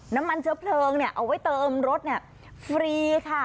น้ำมันเชื้อเพลิงเอาไว้เติมรถฟรีค่ะ